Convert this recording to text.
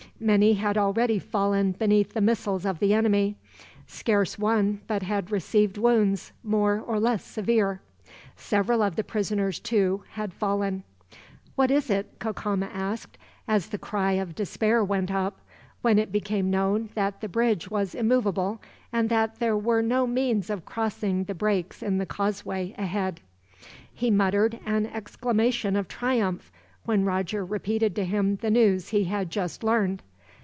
Many had already fallen beneath the missiles of the enemy. Scarce one but had received wounds, more or less severe. Several of the prisoners, too, had fallen. "What is it?" Cacama asked, as the cry of despair went up; when it became known that the bridge was immovable, and that there were no means of crossing the breaks in the causeway, ahead. He muttered an exclamation of triumph, when Roger repeated to him the news he had just learned.